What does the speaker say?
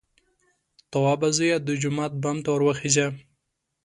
_توابه زويه! د جومات بام ته ور وخېژه!